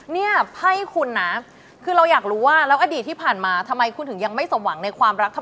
เนี่ยไพ่คุณนะคือเราอยากรู้ว่าแล้วอดีตที่ผ่านมาทำไมคุณถึงยังไม่สมหวังในความรักทำไม